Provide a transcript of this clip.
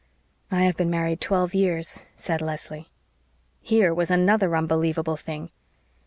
"I have been married twelve years," said Leslie. Here was another unbelievable thing.